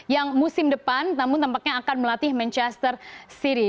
yang musim depan namun tampaknya akan melatih manchester city